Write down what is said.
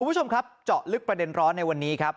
คุณผู้ชมครับเจาะลึกประเด็นร้อนในวันนี้ครับ